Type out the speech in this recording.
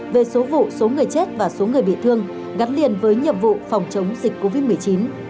về số vụ số người chết và số người bị thương gắn liền với nhiệm vụ phòng chống dịch covid một mươi chín